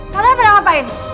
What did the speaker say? padahal pada ngapain